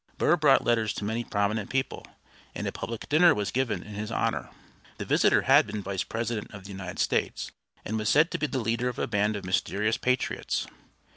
Burr brought letters to many prominent people, and a public dinner was given in his honor. The visitor had been Vice President of the United States, and was said to be the leader of a band of mysterious patriots.